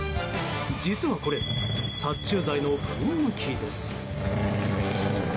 実はこれ、殺虫剤の噴霧器です。